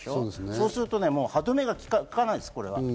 そうすると歯止めがきかないです。